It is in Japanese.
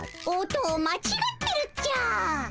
おとおまちがってるっちゃ！